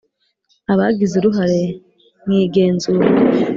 Abagize uruhare mu igenzura